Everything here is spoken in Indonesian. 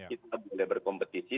kita boleh berkompetisi